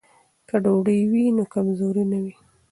که ډوډۍ وي نو کمزوري نه وي.